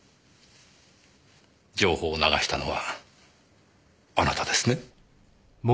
情報を流したのはあなたですね？